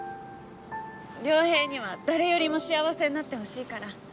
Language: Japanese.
良平には誰よりも幸せになってほしいから。